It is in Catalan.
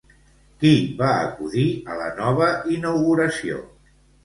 Qui va acudir a la nova inauguració?